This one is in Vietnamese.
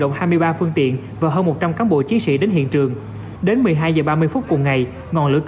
động hai mươi ba phương tiện và hơn một trăm linh cán bộ chiến sĩ đến hiện trường đến một mươi hai h ba mươi phút cùng ngày ngọn lửa cơ